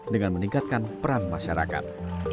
dengan meningkatkan peran masyarakat